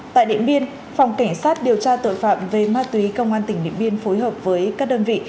tại điện biên phòng cảnh sát điều tra tội phạm về ma túy công an tỉnh điện biên phối hợp với các đơn vị